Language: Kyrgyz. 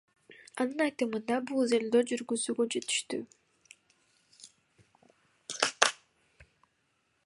Анын айтымында, бул изилдөө жүргүзүүгө жетиштүү.